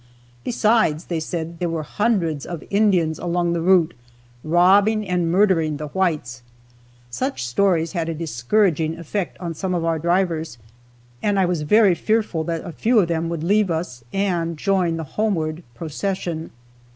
Besides, they said, there were hundreds of Indians along the route, robbing and murdering the whites. Such stories had a discouraging effect on some of our drivers and I was very fearful that a few of them would leave us and join the homeward procession.